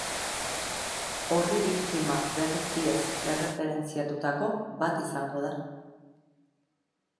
Orri biktima berriki ez erreferentziatutako bat izango da.